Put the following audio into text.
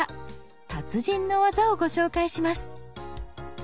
達人のワザをご紹介します。